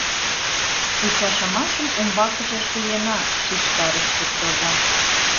— Ӱчашымашым умбакыже шуена! — шижтарыш суртоза.